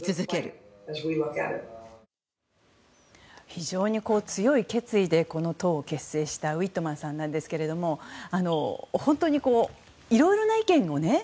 非常に強い決意でこの党を結成したウィットマンさんなんですが本当にいろいろな意見をね。